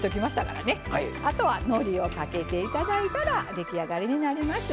あとはのりをかけて頂いたら出来上がりになります。